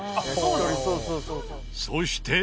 そして。